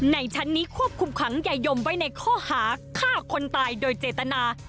ในชั้นนี้ควบคุมขังยายมไว้ในข้อหาฆ่าคนตายโดยเจตนา